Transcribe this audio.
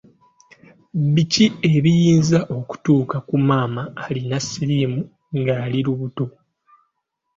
Biki ebiyinza okutuuka ku maama alina siriimu ng’ali lubuto?